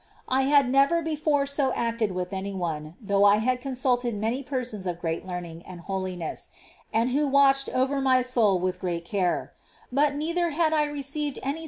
I had never before so acted with any one, though I had consulted many persons of great learning and holiness, and who watched over my soul with great care, — but neither had I received any ' See Foundations, ch.